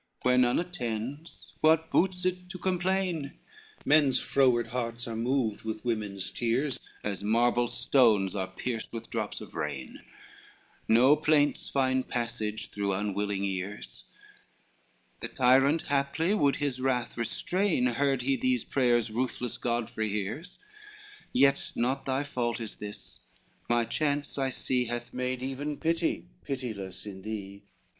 LXXI "Where none attends, what boots it to complain? Men's froward hearts are moved with women's tears As marble stones are pierced with drops of rain, No plaints find passage through unwilling ears: The tyrant, haply, would his wraith restrain Heard he these prayers ruthless Godfrey hears, Yet not thy fault is this, my chance, I see, Hath made even pity, pitiless in thee.